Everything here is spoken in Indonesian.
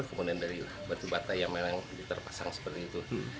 kemudian dari batu bata yang memang terpasang seperti itu